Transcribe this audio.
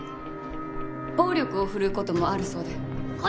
暴力を振るう事もあるそうで。